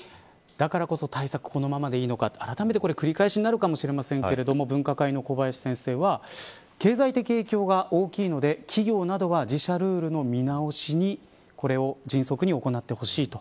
だからこそ、対策このままでいいのかあらためて繰り返しになるかもしれませんが分科会の小林先生は経済的影響が大きいので、企業などは自社ルールの見直しにこれを迅速に行ってほしいと。